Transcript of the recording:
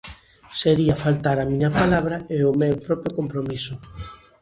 Sería faltar á miña palabra e ao meu propio compromiso.